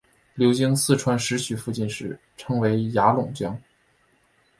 流经四川石渠附近时称为雅砻江。